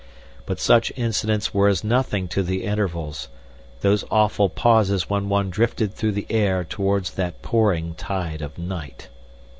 But such incidents were as nothing to the intervals, those awful pauses when one drifted through the air towards that pouring tide of night.